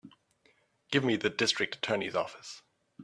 Give me the District Attorney's office.